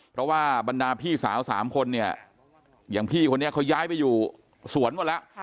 เพราะว่าบรรดาพี่สาว๓คนเนี่ยอย่างพี่คนนี้เขาย้ายไปอยู่สวนหมดแล้ว